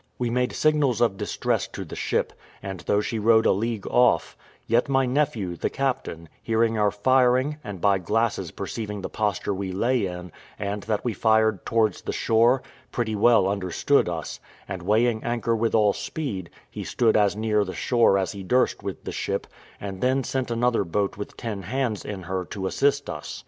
We made signals of distress to the ship, and though she rode a league off, yet my nephew, the captain, hearing our firing, and by glasses perceiving the posture we lay in, and that we fired towards the shore, pretty well understood us; and weighing anchor with all speed, he stood as near the shore as he durst with the ship, and then sent another boat with ten hands in her, to assist us.